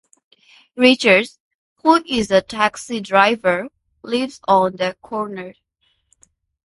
Richards, who is a taxi driver, lives on the corner.